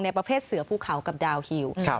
ในประเภทเสือผู้เขากับดาว่าฮิลล์